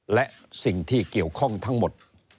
และสิ่งที่เกี่ยวข้องทั้งหมด